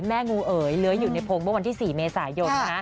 แม่งูเอ๋ยเหลืออยู่ในพงษ์วันที่๔เมษายน